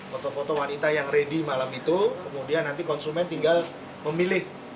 foto foto wanita yang ready malam itu kemudian nanti konsumen tinggal memilih